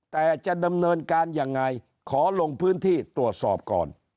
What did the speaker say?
แต่จะดำเนินการยังไงขอลงพื้นที่ตรวจสอบก่อน